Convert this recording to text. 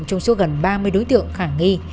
trong số gần ba mươi đối tượng khả nghi